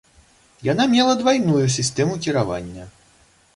Яна мела двайную сістэму кіравання.